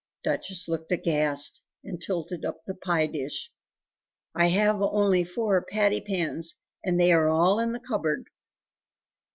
Duchess looked aghast, and tilted up the pie dish. "I have only four patty pans, and they are all in the cupboard."